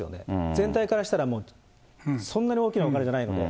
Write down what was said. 全体からしたら、もうそんなに大きなお金じゃないので。